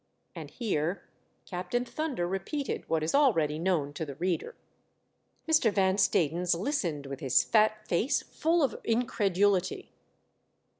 And here Captain Thunder repeated what is already known to the reader, Mr. Van Stadens listened with his fat face full of incredulity.